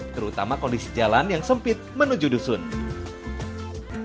terutama kondisi jalan yang sempit menuju dusun